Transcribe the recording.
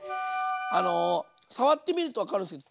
触ってみると分かるんですけど